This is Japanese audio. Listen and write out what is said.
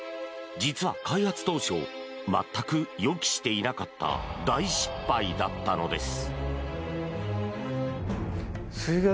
実は開発当初全く予期していなかった大失敗だったのです！